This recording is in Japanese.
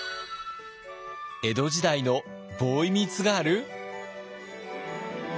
江戸時代のボーイミーツガール？